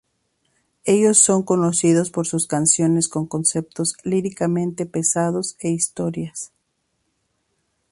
Ellos son conocidos por sus canciones con conceptos líricamente pesados e historias.